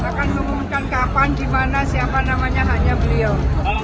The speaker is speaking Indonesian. akan mengungkankan kapan gimana siapa namanya hanya beliau